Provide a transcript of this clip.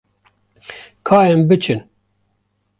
Ka em biçin.